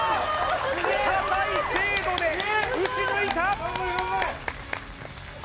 高い精度で打ち抜いた！